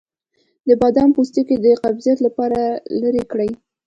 د بادام پوستکی د قبضیت لپاره لرې کړئ